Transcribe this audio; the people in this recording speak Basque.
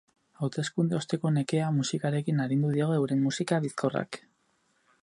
Hauteskunde osteko nekea musikarekin arindu digu euren musika bizkorrak.